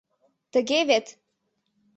Тыге вет?»